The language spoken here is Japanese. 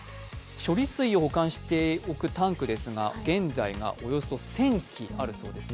処理水を保管しておくタンクは現在１０００基あるそうです。